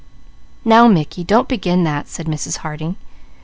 "Now Mickey, don't begin that," said Mrs. Harding.